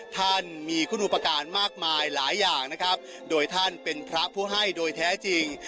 ท่านมีคุณอุปการณ์มากมายหลายอย่างนะครับโดยท่านเป็นพระผู้ให้โดยแท้จริง